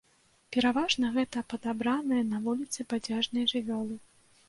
Пераважна гэта падабраныя на вуліцы бадзяжныя жывёлы.